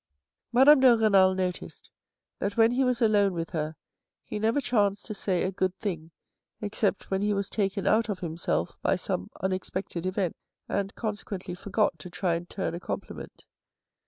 Madame de Renal noticed that when he was alone with her he never chanced to say a good thing except when he was taken out of himself by some unexpected event, and conse quently forgot to try and turn a compliment.